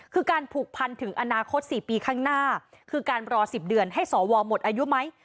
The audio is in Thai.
คือการผูกพันถึงอนาคต๔ปีข้างหน้าคือการรอ๑๐เดือนให้สวหมดอายุไหม